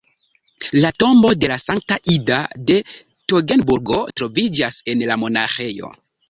La tombo de la Sankta Ida de Togenburgo troviĝas en la monaĥejo.